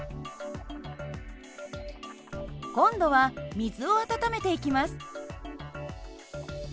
今度は水を温めていきます。